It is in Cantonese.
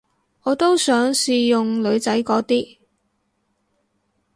我都想試用女仔嗰啲